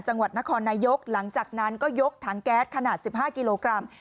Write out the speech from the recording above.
จังหวัดนครนายกหลังจากนั้นก็ยกถังแก๊สขนาด๑๕กิโลกรัม